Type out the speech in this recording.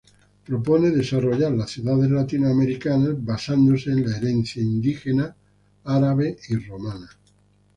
Propone desarrollar las ciudades latinoamericanas basados en la herencia indígena, árabe y romana.